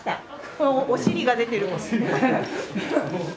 このお尻が出てる。